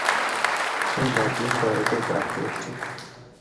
Wendati eng taretet ab ketik